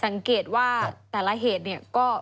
สังเกตว่าแต่ละเหตุเนี่ยก็